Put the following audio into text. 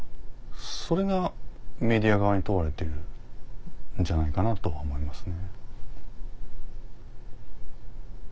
それがメディア側に問われているんじゃないかなとは思いますね。